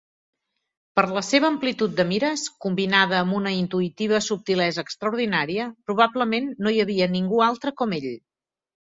Per la seva amplitud de mires, combinada amb una intuïtiva subtilesa extraordinària, probablement no hi havia ningú altre com ell.